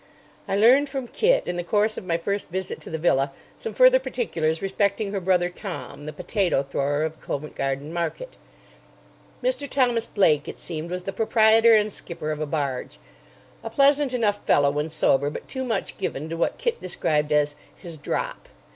I learned from Kit, in the course of my first visit to the villa, some further particulars respecting her brother Tom, the potato thrower of Covent Garden Market. Mr. Thomas Blake, it seemed, was the proprietor and skipper of a barge. A pleasant enough fellow when sober, but too much given to what Kit described as "his drop."